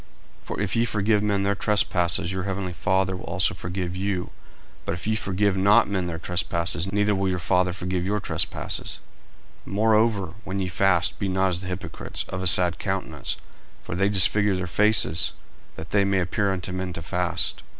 40:006:014 For if ye forgive men their trespasses, your heavenly Father will also forgive you: 40:006:015 But if ye forgive not men their trespasses, neither will your Father forgive your trespasses. 40:006:016 Moreover when ye fast, be not, as the hypocrites, of a sad countenance: for they disfigure their faces, that they may appear unto men to fast.